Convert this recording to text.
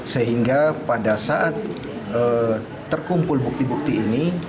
sehingga pada saat terkumpul bukti bukti ini